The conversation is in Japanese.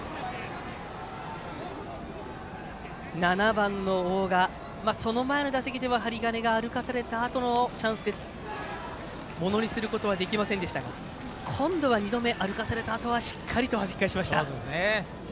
７番の大賀その前の打席では針金が歩かされたあとのチャンスをものにすることはできませんでしたが今度は２度目歩かされたあとはしっかりとはじき返しました。